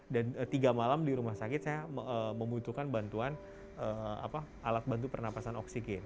dan tiga malam di rumah sakit saya membutuhkan bantuan alat bantu pernapasan oksigen